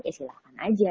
ya silahkan aja